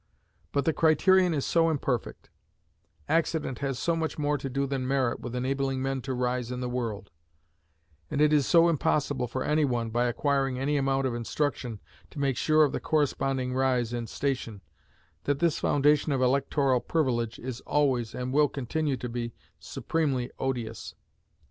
But the criterion is so imperfect; accident has so much more to do than merit with enabling men to rise in the world; and it is so impossible for any one, by acquiring any amount of instruction, to make sure of the corresponding rise in station, that this foundation of electoral privilege is always, and will continue to be, supremely odious.